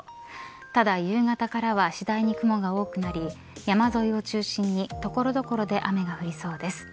ただ、夕方からは次第に雲が多くなり山沿いを中心に所々で雨が降りそうです。